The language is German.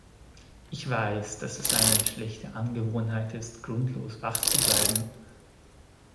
Ich weiß, dass es eine schlechte Angewohnheit ist grundlos wach zu bleiben.